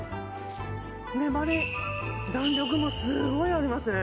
粘り弾力もすごいありますね